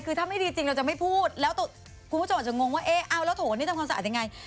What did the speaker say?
คือถ้าไม่ดีจริงเราจะไม่พูดแล้วคุณผู้ชมอาจจะงงว่าเอ๊ะเอาแล้วโถนี่ทำความสะอาดยังไง